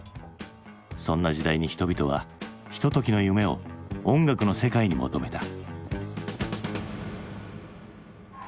そんな時代に人々はひとときの夢を音楽の世界に求めた。